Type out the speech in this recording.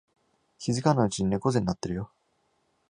気づかないうちに猫背になってるよ